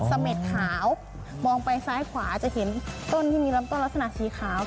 เสม็ดขาวมองไปซ้ายขวาจะเห็นต้นที่มีลำต้นลักษณะสีขาว